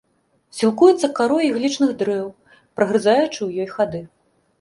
Сілкуецца карой іглічных дрэў, прагрызаючы ў ёй хады.